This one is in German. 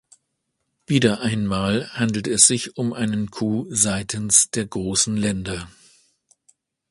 Wieder einmal handelt es sich um einen Coup seitens der großen Länder.